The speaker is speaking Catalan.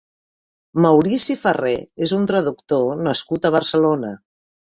Maurici Farré és un traductor nascut a Barcelona.